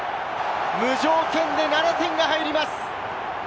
無条件で７点が入ります。